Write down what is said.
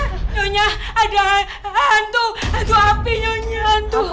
nyonya ada hantu hantu api nyonya hantu